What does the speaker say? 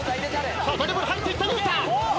ドリブル入っていったゆうた。